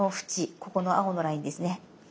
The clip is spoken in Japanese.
ここの青のラインですね。